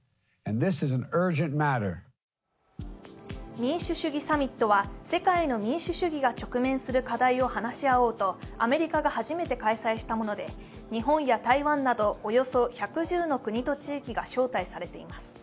民主主義サミットは世界の民主主義が直面する課題を話し合おうと、アメリカが初めて開催したもので日本や台湾など、およそ１１０の国と地域が招待されています。